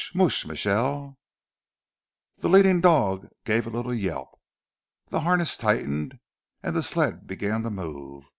Moosh Michele!" The leading dog gave a little yelp. The harness tightened, and the sled began to move.